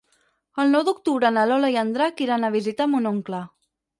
El nou d'octubre na Lola i en Drac iran a visitar mon oncle.